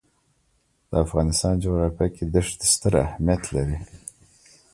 د افغانستان جغرافیه کې دښتې ستر اهمیت لري.